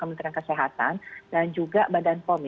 kementerian kesehatan dan juga badan pom